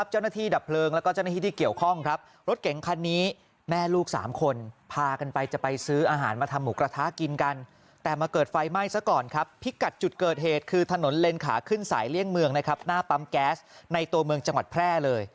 หน้าปั๊มแก๊สในตัวเมืองจังหวัดแพร่เลย